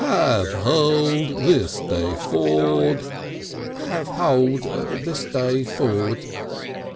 "Have hold this day ford." "Have hold this day ford."